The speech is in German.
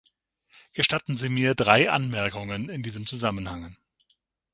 Gestatten Sie mir drei Anmerkungen in diesem Zusammenhang.